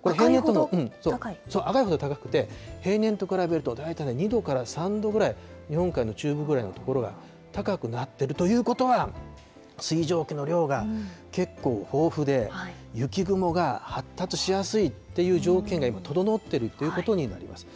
これ、平年と比べると大体ね、２度から３度ぐらい、日本海の中部ぐらいの所が高くなってるということは、水蒸気の量が結構豊富で、雪雲が発達しやすいっていう条件が整ってるということになります。